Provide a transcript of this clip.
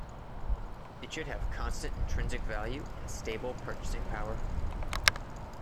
It should have constant intrinsic value and stable purchasing power.